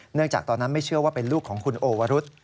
จากตอนนั้นไม่เชื่อว่าเป็นลูกของคุณโอวรุษ